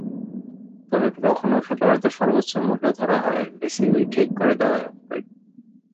তবে তখনো খেলোয়াড়দের সর্বোচ্চ মূল্য ধরা হবে বিসিবির ঠিক করে দেওয়া অঙ্কই।